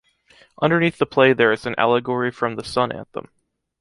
Underneath the play there is an allegory from the “Sun Anthem”.